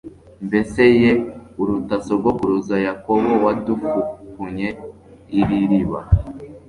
Mbese ye uruta sogokuruza Yakobo wadufukunye iri riba